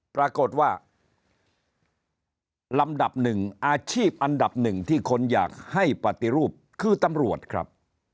ปรากฏว่าลำดับหนึ่งอาชีพอันดับหนึ่งที่คนอยากให้ปฏิรูปคือตำรวจครับ